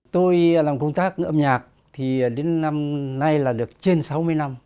tôi làm công tác âm nhạc thì đến năm nay là được trên sáu mươi năm